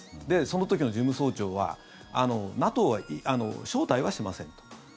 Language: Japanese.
で、その時の事務総長はＮＡＴＯは招待はしませんと。